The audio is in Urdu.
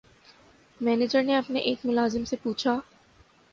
منیجر نے اپنے ایک ملازم سے پوچھا